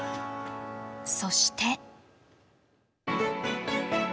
そして。